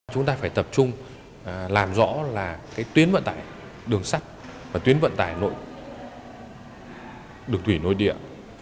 chúng ta phải tập trung làm rõ là cái tuyến vận tải đường sắt và tuyến vận tải nội đường thủy nội địa